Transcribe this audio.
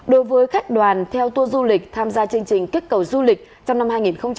đối với khách đoàn theo tour du lịch tham gia chương trình kết cầu du lịch trong năm hai nghìn một mươi chín